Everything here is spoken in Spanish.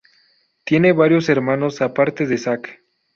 Tiene varios hermanos aparte de Zac.